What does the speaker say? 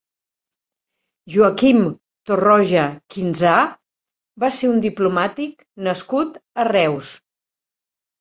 Joaquim Torroja Quinzà va ser un diplomàtic nascut a Reus.